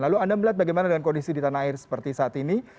lalu anda melihat bagaimana dengan kondisi di tanah air seperti saat ini